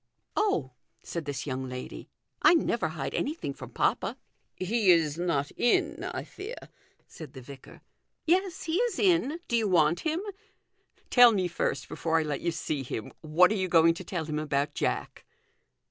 " Oh," said this young lady, " I never hide anything from papa." " He is not in, I fear," said the vicar. " Yes, he is in ; do you want him ? Tell me 296 THE GOLDEN RULE. first before I let you see him what are you going to tell him about Jack